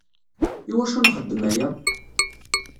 Iwacu nxeddem aya?